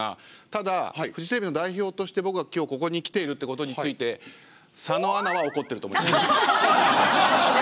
ただフジテレビの代表として僕が今日ここに来ているってことについて佐野アナは怒ってると思いますけどね。